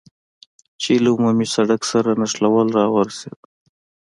چې له عمومي سړک سره نښلېدل را ورسېدو.